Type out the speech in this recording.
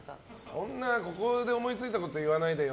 そんな、ここで思いついたこと言わないでよ。